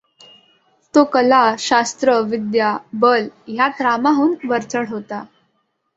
तो कला, शास्त्र, विद्या, बल यांत रामाहून वरचढ होता.